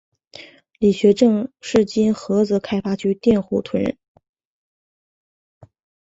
李学政是今菏泽开发区佃户屯人。